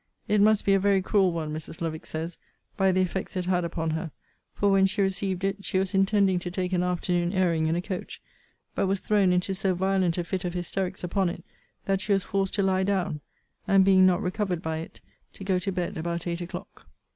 It must be a very cruel one, Mrs. Lovick says, by the effects it had upon her: for, when she received it, she was intending to take an afternoon airing in a coach: but was thrown into so violent a fit of hysterics upon it, that she was forced to lie down; and (being not recovered by it) to go to bed about eight o'clock.